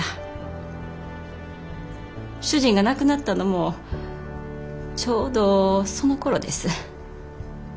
主人が亡くなったのもちょうどそのころです。